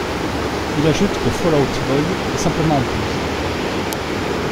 Il ajoute que Fall Out Boy est simplement en pause.